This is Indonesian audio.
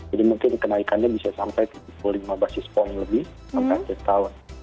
jadi mungkin kenaikannya bisa sampai tujuh puluh lima basis point lebih setahun